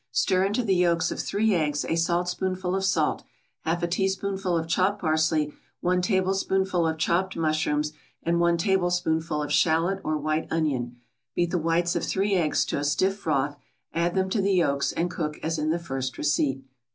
= Stir into the yolks of three eggs a saltspoonful of salt, half a teaspoonful of chopped parsley, one tablespoonful of chopped mushrooms, and one tablespoonful of shallot or white onion; beat the whites of three eggs to a stiff froth, add them to the yolks, and cook as in the first receipt.